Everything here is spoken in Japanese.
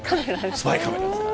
スパイカメラです。